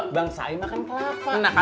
bang sain makan kelapa